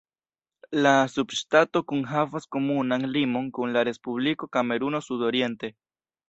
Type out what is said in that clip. La subŝtato kunhavas komunan limon kun la Respubliko Kameruno sudoriente.